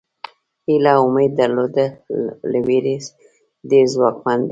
هیله او امید درلودل له وېرې ډېر ځواکمن دي.